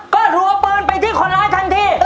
ก็รัวปืนไปที่คนร้ายทันที